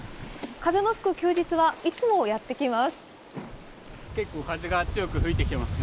風の吹く休日は、いつもやって来ます。